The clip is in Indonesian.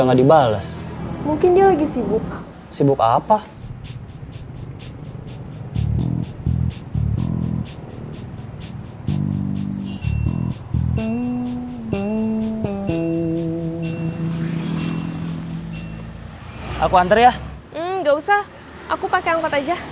nggak usah aku pakai angkat aja